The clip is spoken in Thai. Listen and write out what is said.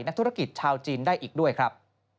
นักธุรกิจชาวจีนได้อีกด้วยครับ